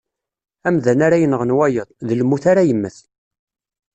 Amdan ara yenɣen wayeḍ, d lmut ara yemmet.